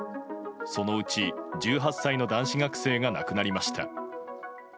そのうち１８歳の男子学生が亡くなりました。